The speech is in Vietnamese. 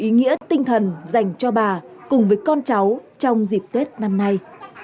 bức tranh nghệ thuật người công an thân yêu là món quà giàu ý nghĩa tinh thần dành cho bà cùng với con cháu trong dịp tết năm nay